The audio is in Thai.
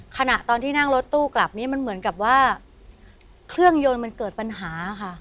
ขณะตอนที่นั่งรถตู้กลับนี้มันเหมือนกับว่าเครื่องยนต์มันเกิดปัญหาค่ะ